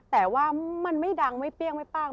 แต่ว่ามันไม่ดังไม่เปรี้ยงไม่ปั้ง